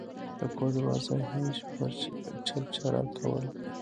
د کور دروازې هینج چرچره کوله.